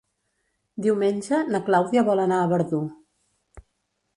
Diumenge na Clàudia vol anar a Verdú.